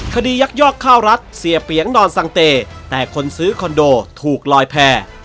ยักยอกข้าวรัฐเสียเปียงนอนสังเตแต่คนซื้อคอนโดถูกลอยแพร่